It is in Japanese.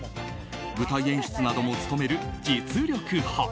舞台演出なども務める実力派。